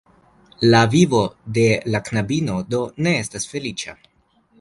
La vivo de la knabino, do, ne estis feliĉa.